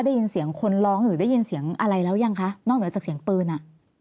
ได้ยินเสียงคนร้องหรือได้ยินเสียงอะไรแล้วยังคะนอกเหนือจากเสียงปืนอ่ะ